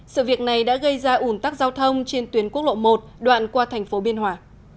sự việc này đã gây ra ủn tắc giao thông trên tuyến quốc lộ một đoạn qua thành phố biên hòa